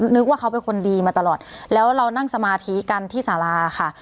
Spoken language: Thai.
นึกว่าเขาเป็นคนดีมาตลอดแล้วเรานั่งสมาธิกันที่สาราค่ะ